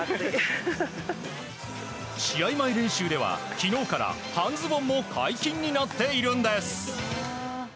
試合前練習では昨日から半ズボンも解禁になっているんです。